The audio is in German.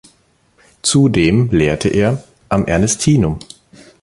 Zudem lehrte er am Ernestinum.